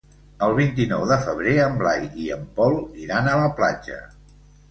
El vint-i-nou de febrer en Blai i en Pol iran a la platja.